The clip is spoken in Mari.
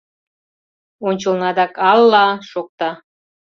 Ончылно адак «Алла!» шокта.